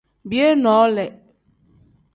Biyee noole.